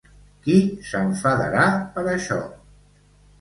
Qui s'enfadarà per això?